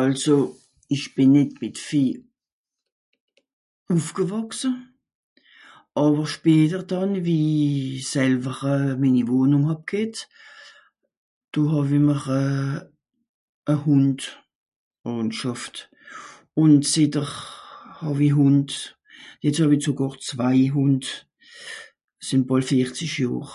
also Ich bìn net mit viel... ùffgewàchse àwer später dàan wie selver minni Wohnung hàb g'hett do hàwie m'r euhh a Hund (un Schàfft) un zìtt'r hàwie Hund jetzt hàwie zogàr zwei Hund sìn bàl vierzig jàhr